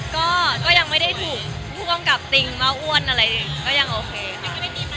ก็ยังไม่ได้ถูกผู้กำกับติ้งมาอ้วนอะไรก็ยังโอเค